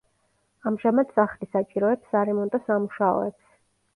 ამჟამად სახლი საჭიროებს სარემონტო სამუშაოებს.